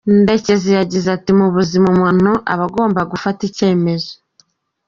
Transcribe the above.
Ndekezi yagize ati ”Mu buzima umuntu aba agomba gufata icyemezo.